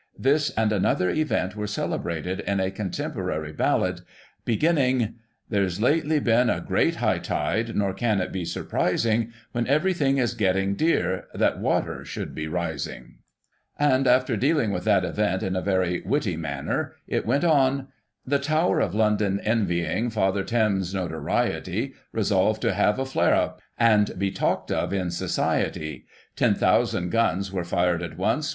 This, and another event were celebrated in a contemporary ballad, beginning :* A famous Rope dancer. Digitized by Google 1/2 GOSSIP. [184 1 "There's lately been a great high tide, Nor can it be surprising, When everything is getting dear, That water should be rising," and after dealing with that event in a very witty msuiner, it went on : "The Tower of London, envying Father Thames's notoriety. Resolved to have a * flare up ' And be talked of in society ; Ten thousand guns were fired at once.